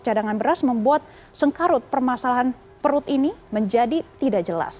cadangan beras membuat sengkarut permasalahan perut ini menjadi tidak jelas